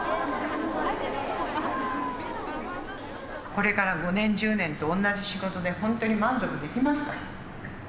これから５年１０年と同じ仕事でほんとに満足できますか？